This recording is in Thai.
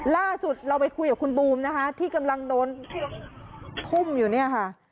ล่าสุดเราไปคุยกับคุณบูมนะคะที่กำลังโดนทุ่มอยู่เนี่ยค่ะ